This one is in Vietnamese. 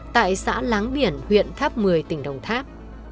tại xã láng biển huyện tháp một mươi tỉnh đồng tháp